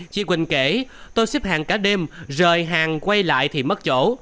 chị quỳnh kể tôi xếp hàng cả đêm rời hàng quay lại thì mất chỗ